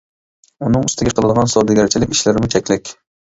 ئۇنىڭ ئۈستىگە قىلىدىغان سودىگەرچىلىك ئىشلىرىمۇ چەكلىك.